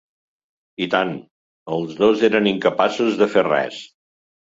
I tant, els dos eren incapaços de fer res.